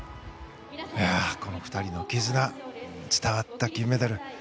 この２人の絆が伝わった金メダル。